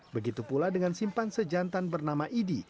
begitu pula dengan simpanse jantan bernama idi